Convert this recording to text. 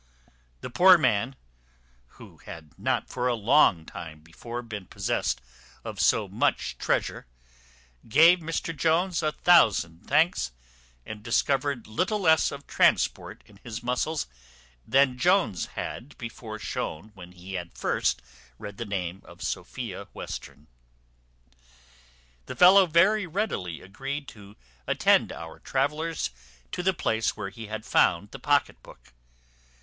The poor man, who had not for a long time before been possessed of so much treasure, gave Mr Jones a thousand thanks, and discovered little less of transport in his muscles than Jones had before shown when he had first read the name of Sophia Western. The fellow very readily agreed to attend our travellers to the place where he had found the pocket book.